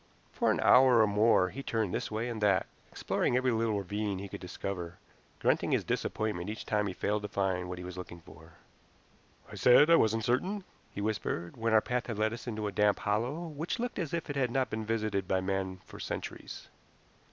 For an hour or more he turned this way and that, exploring every little ravine he could discover, grunting his disappointment each time he failed to find what he was looking for. "I said I wasn't certain," he whispered when our path had led us into a damp hollow which looked as if it had not been visited by man for centuries.